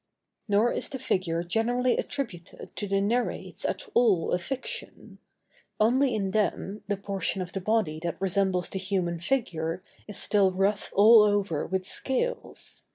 Nor is the figure generally attributed to the nereids at all a fiction; only in them, the portion of the body that resembles the human figure is still rough all over with scales.